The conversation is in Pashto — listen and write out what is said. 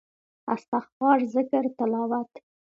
استغفار ذکر تلاوت